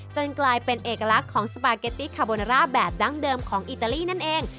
กลายเป็นเอกลักษณ์ของสปาเกตตี้คาโบนาร่าแบบดั้งเดิมของอิตาลีนั่นเอง